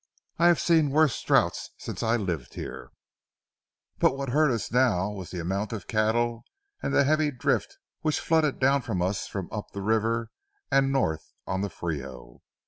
I have seen worse drouths since I lived here, but what hurt us now was the amount of cattle and the heavy drift which flooded down on us from up the river and north on the Frio.